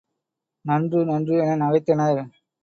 நன்று நன்று என நகைத்தனர்.